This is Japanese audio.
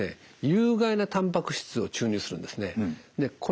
有害なたんぱく質を注入するんですね。